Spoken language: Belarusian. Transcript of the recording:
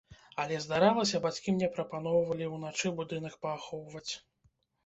Але, здаралася, бацькі мне прапаноўвалі ўначы будынак паахоўваць.